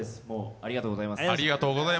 ありがとうございます。